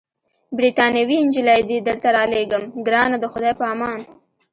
بریتانوۍ نجلۍ دي درته رالېږم، ګرانه د خدای په امان.